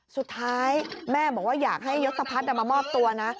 สุดท้ายแม่บอกว่าอยากให้ยศพัฒน์มามอบตัวนะ